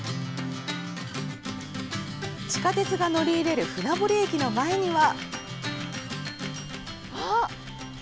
地下鉄が乗り入れる船堀駅の前には。